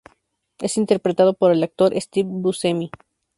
Es interpretado por el actor Steve Buscemi.